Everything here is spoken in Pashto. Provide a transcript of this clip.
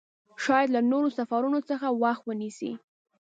شاید له نورو سفرونو څخه وخت ونیسي.